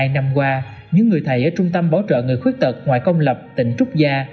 một mươi hai năm qua những người thầy ở trung tâm bảo trợ người khuyết tật ngoại công lập tỉnh trúc gia